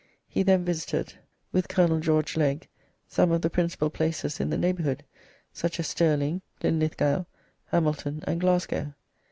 He then visited; with Colonel George Legge, some of the principal places in the neighbourhood, such as Stirling, Linlithgow, Hamilton, and Glasgow.